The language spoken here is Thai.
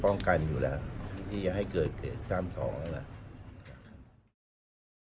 ก็จะมีเหมือนรอซ้ำอีกทีอย่างนี้ค่ะ